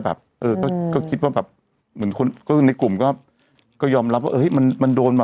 คือคือคือคือคือคือคือคือคือคือคือ